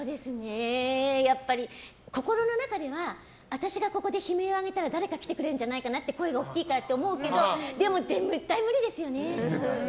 やっぱり、心の中では私がここで悲鳴を上げたら誰か来てくれるんじゃないかなって声が大きいからって思うけど絶対無理ですよね。